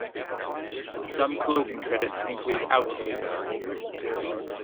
Some closing credits include out-takes.